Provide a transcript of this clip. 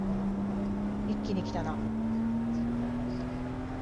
一気にきたな